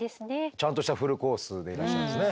ちゃんとしたフルコースでいらっしゃいますね。